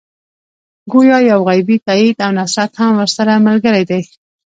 ګویا یو غیبي تایید او نصرت هم ورسره ملګری دی.